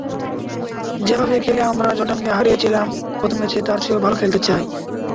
যেভাবে খেলে আমরা জর্ডানকে হারিয়েছিলাম প্রথম ম্যাচে, তার চেয়েও ভালো খেলতে চাই।